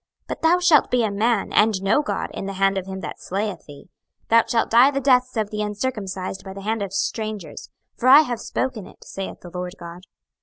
but thou shalt be a man, and no God, in the hand of him that slayeth thee. 26:028:010 Thou shalt die the deaths of the uncircumcised by the hand of strangers: for I have spoken it, saith the Lord GOD.